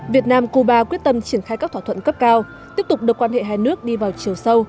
việt nam cuba quyết tâm triển khai các thỏa thuận cấp cao tiếp tục được quan hệ hai nước đi vào chiều sâu